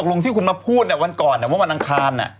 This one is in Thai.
ตกลงที่คุณมาพูดนะวันก่อนครั้งวันอังคาร